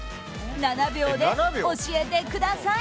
７秒で教えてください。